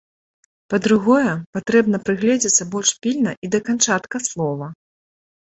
Па-другое, патрэбна прыгледзецца больш пільна і да канчатка слова.